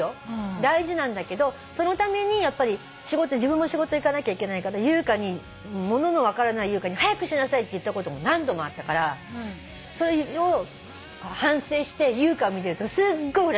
大事なんだけどそのためにやっぱり自分も仕事行かなきゃいけないからものの分からない優香に早くしなさいって言ったことも何度もあったからそれを反省して優香を見てるとすっごいうらやましいの。